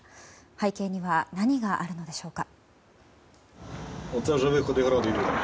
背景には何があるのでしょうか。